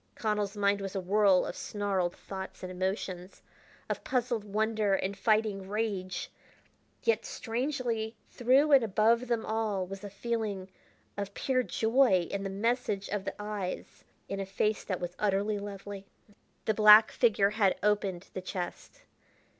Connell's mind was a whirl of snarled thoughts and emotions, of puzzled wonder and fighting rage; yet strangely through and above them all was a feeling of pure joy in the message of the eyes in a face that was utterly lovely. The black figure had opened the chest.